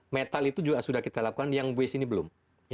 metal itu juga sudah kita lakukan yang waste ini belum